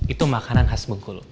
itu makanan khas bengkulu